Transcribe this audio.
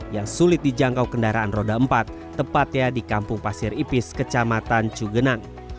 yang sulit dijangkau kendaraan roda empat tepatnya di kampung pasir ipis kecamatan cugenang